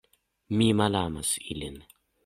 Mi malamas ilin.